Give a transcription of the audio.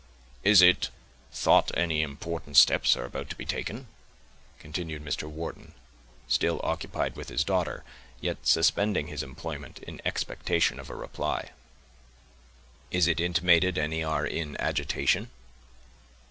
"Is it thought any important steps are about to be taken?" continued Mr. Wharton, still occupied with his daughter, yet suspending his employment, in expectation of a reply. "Is it intimated any are in agitation?"